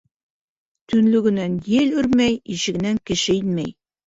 Төнлөгөнән ел өрмәй, ишегенән кеше инмәй.